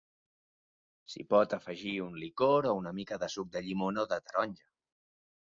S'hi pot afegir un licor o una mica de suc de llimona o de taronja.